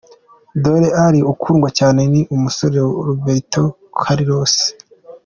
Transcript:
Dele Alli ukundwa cyane ni umusore Roberto Carlos.